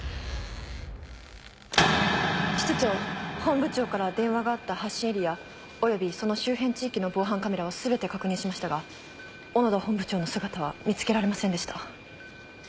室長本部長から電話があった発信エリアおよびその周辺地域の防犯カメラを全て確認しましたが小野田本部長の姿は見つけられませんでした。